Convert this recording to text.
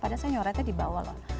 padahal saya nyoretnya di bawah loh